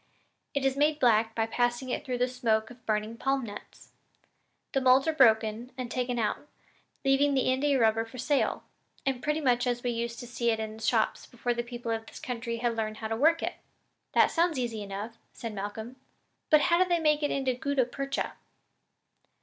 It is made black by passing it through the smoke of burning palm nuts. The moulds are broken and taken out, leaving the India rubber ready for sale, and pretty much as we used to see it in the shops before the people of this country had learned how to work it.'" "That seems easy enough," said Malcolm, "but how do they make it into gutta percha?"